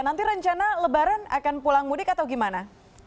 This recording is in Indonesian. nanti rencana lebaran akan pulang mudik atau gimana